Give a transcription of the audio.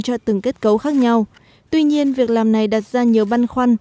cho từng kết cấu khác nhau tuy nhiên việc làm này đặt ra nhiều băn khoăn